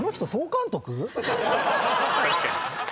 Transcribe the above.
確かに。